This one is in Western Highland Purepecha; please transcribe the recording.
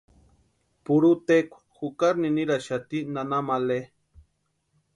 Purhu tekwa jukari niniraxati nana Male.